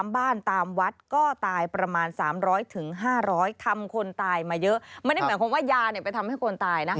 ไม่ได้หมายความว่ายาไปทำให้คนตายนะ